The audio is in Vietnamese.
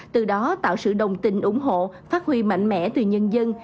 từ đó tạo sự đồng tình ủng hộ phát huy mạnh mẽ từ nhân dân